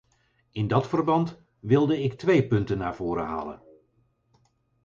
In dat verband wilde ik twee punten naar voren halen.